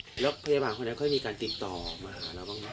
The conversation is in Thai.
แล้วพยาบาลคนนั้นเคยมีการติดต่อมาบ้างมั้ย